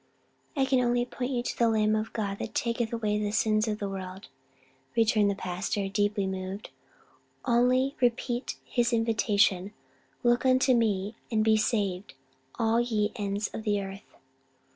"I can only point you to 'the Lamb of God that taketh away the sin of the world,'" returned the pastor, deeply moved: "only repeat his invitation, 'Look unto me, and be ye saved all ye ends of the earth.'"